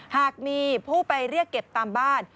หากมีผู้ไปเรียกเก็บตามบ้าน